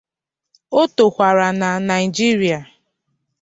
O tokwara na Naịjirịa.